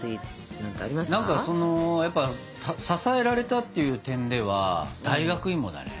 何かその支えられたっていう点では大学芋だね。